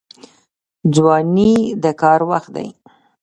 ځواني د کار وخت دی